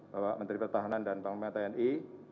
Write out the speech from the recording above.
bapak menteri pertahanan dan panglima tni